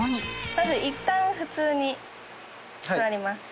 まずいったん普通に座ります。